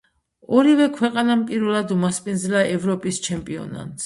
ორივე ქვეყანამ პირველად უმასპინძლა ევროპის ჩემპიონატს.